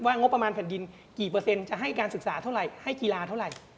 งบประมาณแผ่นดินกี่เปอร์เซ็นต์จะให้การศึกษาเท่าไหร่ให้กีฬาเท่าไหร่